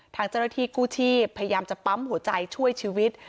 ทางเจ้าหน้าที่กู้ชีพพยายามจะปั๊มหัวใจช่วยชีวิต